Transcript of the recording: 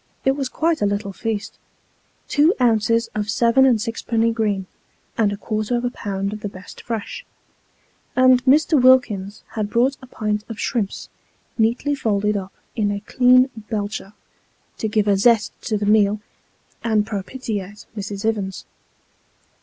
It was quite a little feast ; two ounces of seven and sixpenny green, and a quarter of a pound of the best fresh ; and Mr. Wilkins had brought a pint of shrimps, neatly folded up in a clean Belcher, to give a zest to the meal, and propitiate Mrs. Ivins.